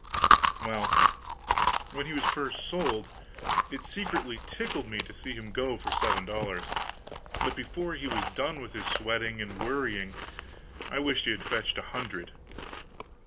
Well, when he was first sold, it secretly tickled me to see him go for seven dollars; but before he was done with his sweating and worrying I wished he had fetched a hundred.